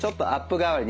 代わりにね